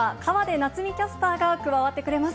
なつみキャスターが加わってくれます。